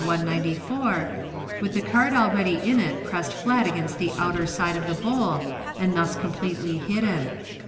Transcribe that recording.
194, with the card already in it pressed flat against the outer side of the bowl, and thus completely hidden.